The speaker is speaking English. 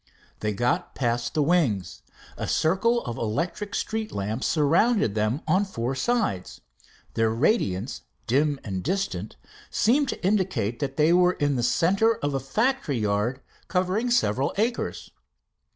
They got past the wings. A circle of electric street lamps surrounded them on four sides. Their radiance, dim and distant, seemed to indicate that they were in the center of a factory yard covering several acres.